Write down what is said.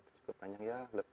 cukup panjang ya